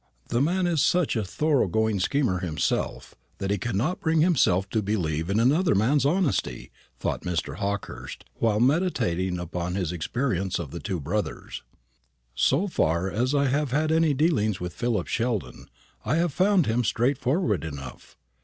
"The man is such a thorough going schemer himself, that he cannot bring himself to believe in another man's honesty," thought Mr. Hawkehurst, while meditating upon his experience of the two brothers. "So far as I have had any dealings with Philip Sheldon, I have found him straightforward enough.